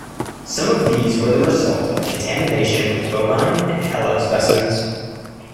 Some of these were the result of contamination with bovine and HeLa specimens.